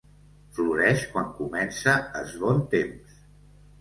Floreix quan comença es bon temps